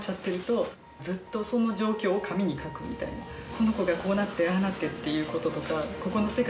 この子がこうなってああなってっていうこととか。